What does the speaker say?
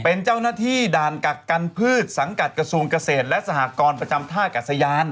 เป็นเจ้าหน้าที่ด่านกักกันพืชสังกัดกระทรวงเกษตรและสหกรประจำท่ากัศยาน